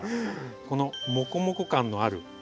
このもこもこ感のある葉っぱ。